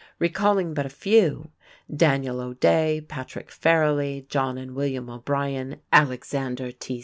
Recalling but a few, Daniel O'Day, Patrick Farrelly, John and William O'Brien, Alexander T.